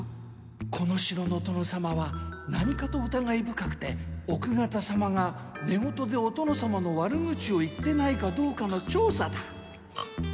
この城の殿様は何かと疑い深くて奥方様がねごとでお殿様の悪口を言ってないかどうかの調査だ。